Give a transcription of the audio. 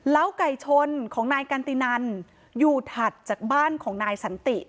ไก่ชนของนายกันตินันอยู่ถัดจากบ้านของนายสันติ